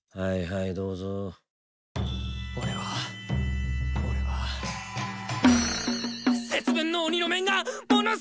はいどうぞ俺は俺は節分の鬼の面がもの